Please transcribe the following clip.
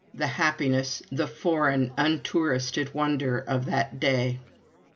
The happiness, the foreign untouristed wonder of that day!